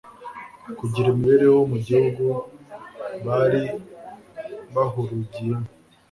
kugira imibereho mu gihugu bari bahurugiyemo.